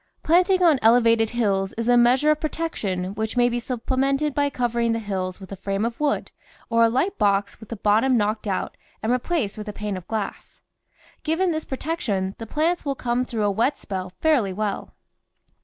Planting on elevated hills is a measure of protection which may be supplemented by covering the hills with a frame of wood or a light box with the bottom knocked out and re placed with a pane of glass; given this protection, the plants will come through a wet spell fairly well.